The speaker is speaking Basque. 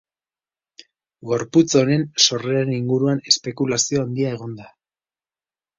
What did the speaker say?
Gorputz honen sorreraren inguruan espekulazio handia egon da.